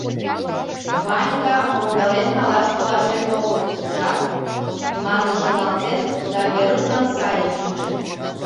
— Ванька ондален налаш толашен огыл, ужат, — манын шоналтен да Веруклан сайын чучын.